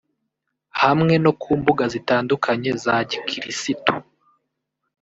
hamwe no ku mbuga zitandukanye za gikirisitu